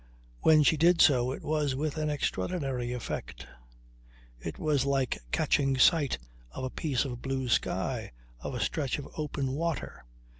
When she did so it was with an extraordinary effect. It was like catching sight of a piece of blue sky, of a stretch of open water.